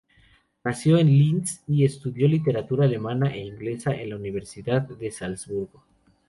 Nació en Linz y estudió literatura alemana e inglesa en la Universidad de Salzburgo.